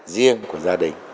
riêng của gia đình